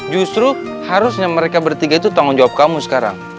justru harusnya mereka bertiga itu tanggung jawab kamu sekarang